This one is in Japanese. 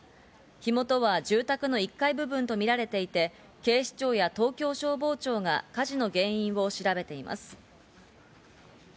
火元は住宅の１階部分とみられていて、警視庁や東京消防庁が火事の原因を調べています。